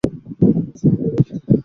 তুই তো গিয়েছিলি আমাদের বাড়িতে।